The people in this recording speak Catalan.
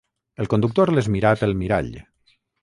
El conductor les mirà pel mirall.